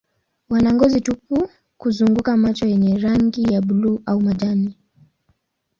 Wana ngozi tupu kuzunguka macho yenye rangi ya buluu au majani.